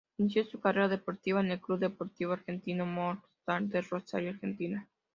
Inicio su carrera deportiva en el Club Deportivo Argentino Morning Star de Rosario, Argentina.